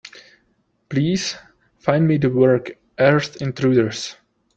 Please find me the work, Earth Intruders.